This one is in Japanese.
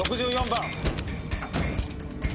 ６４番！